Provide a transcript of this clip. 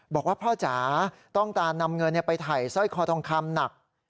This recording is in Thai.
บอกว่าพ่อจ๋าต้องการนำเงินไปถ่ายสร้อยคอทองคำหนัก